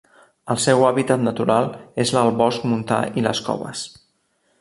El seu hàbitat natural és l'alt bosc montà i les coves.